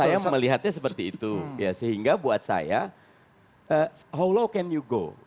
saya melihatnya seperti itu ya sehingga buat saya how lo can you go